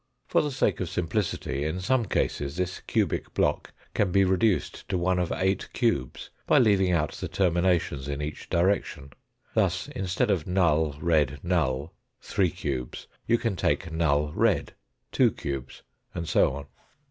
For the sake of simplicity, in some cases, this cubic block can be reduced to one of eight cubes, by leaving out the terminations in each direction. Thus, instead of null, red, null, three cubes, you can take null, red, two cubes, and so on.